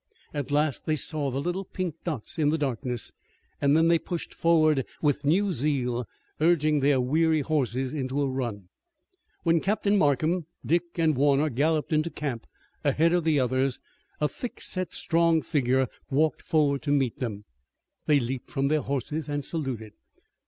At last they saw the little pink dots in the darkness, and then they pushed forward with new zeal, urging their weary horses into a run. When Captain Markham, Dick and Warner galloped into camp, ahead of the others, a thickset strong figure walked forward to meet them. They leaped from their horses and saluted.